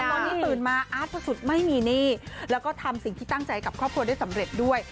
ตอนนี้ตื่นมาอาร์ตพระสุทธิ์ไม่มีหนี้แล้วก็ทำสิ่งที่ตั้งใจกับครอบครัวได้สำเร็จด้วย